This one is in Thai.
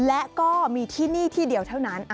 และก็มีที่นี่ที่เดียวเท่านั้น